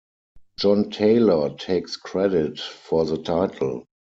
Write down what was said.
John Taylor takes credit for the title.